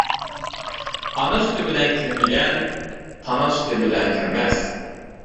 ئانا سۈتى بىلەن كىرمىگەن، تانا سۈتى بىلەن كىرمەس.